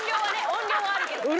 音量はあるけど確かに。